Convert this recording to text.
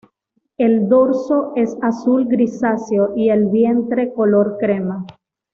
El dorso es azul grisáceo y el vientre color crema.